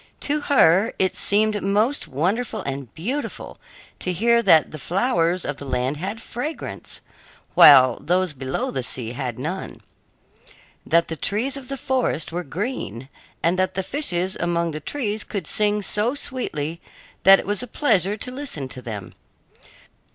To her it seemed most wonderful and beautiful to hear that the flowers of the land had fragrance, while those below the sea had none; that the trees of the forest were green; and that the fishes among the trees could sing so sweetly that it was a pleasure to listen to them.